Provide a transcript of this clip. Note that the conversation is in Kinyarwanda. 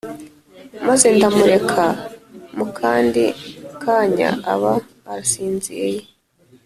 maze ndamureka mu kandi kanya aba arasinziye